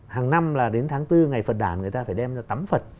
hàng năm là đến tháng bốn ngày phật đàn người ta phải đem cho tắm phật